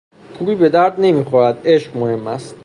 پول به درد نمیخورد، عشق مهم است.